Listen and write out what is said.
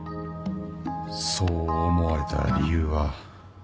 そう思われた理由は。